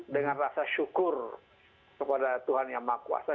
dengan rasa syukur kepada tuhan yang maha kuasa